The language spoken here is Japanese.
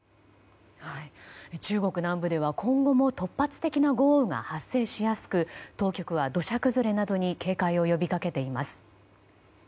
中国南部では今後も突発的な豪雨が発生しやすく当局は土砂崩れなどに警戒を呼びかけています。